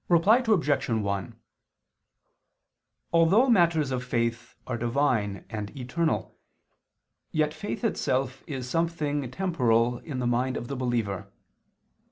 Reply Obj. 1: Although matters of faith are Divine and eternal, yet faith itself is something temporal in the mind of the believer.